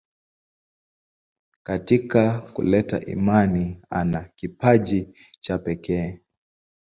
Katika kuleta amani ana kipaji cha pekee.